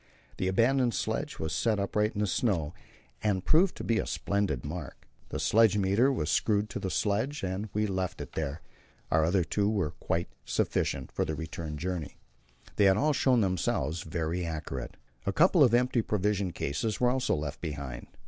The abandoned sledge was set upright in the snow, and proved to be a splendid mark. The sledge meter was screwed to the sledge, and we left it there; our other two were quite sufficient for the return journey; they had all shown themselves very accurate. A couple of empty provision cases were also left behind.